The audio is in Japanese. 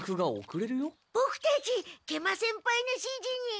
ボクたち食満先輩の指示に。